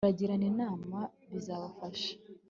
muragirane inama bizabafasha